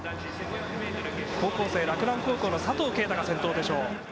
高校生、洛南高校の佐藤圭汰が先頭でしょう。